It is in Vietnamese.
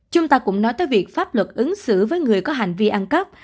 chúng ta cũng nói tới việc pháp luật ứng xử với người có hành vi ăn cắp